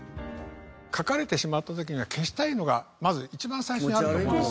書かれてしまった時には消したいのがまず一番最初にあると思います。